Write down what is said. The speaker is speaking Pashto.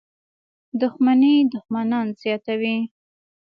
• دښمني دښمنان زیاتوي.